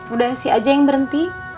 udah si aja yang berhenti